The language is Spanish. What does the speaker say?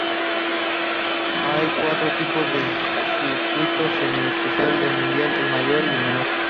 Hay cuatro tipos de circuitos el especial, el mundial, el mayor y el menor.